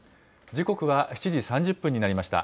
時刻は７時３０分になりました。